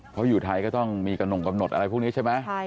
เพราะอยู่ไทยก็ต้องมีกระหน่งกำหนดอะไรพวกนี้ใช่ไหม